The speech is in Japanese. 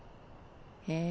へえ。